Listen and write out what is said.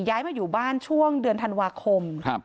ย้ายมาอยู่บ้านช่วงเดือนธันวาคม